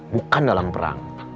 bukan dalam perang